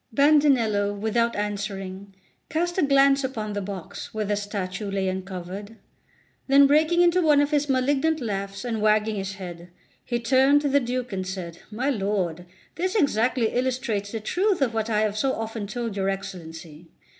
Bandinello, without answering, cast a glance upon the box, where the statue lay uncovered. Then breaking into one of his malignant laughs and wagging his head, he turned to the Duke and said: "My lord, this exactly illustrates the truth of what I have so often told your Excellency.